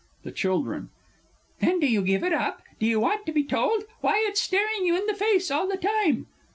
THE CHILDREN. Then do you give it up? Do you want to be told? Why, it's staring you in the face all the time!